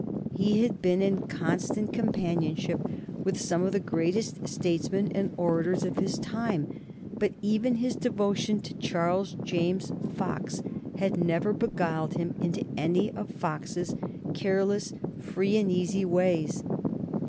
He had been in constant companionship with some of the greatest statesmen and orators of his time, but even his devotion to Charles James Fox had never beguiled him into any of Fox's careless, free and easy ways.